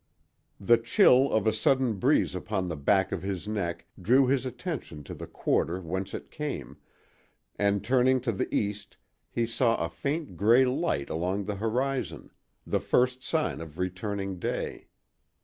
The chill of a sudden breeze upon the back of his neck drew his attention to the quarter whence it came, and turning to the east he saw a faint gray light along the horizon—the first sign of returning day.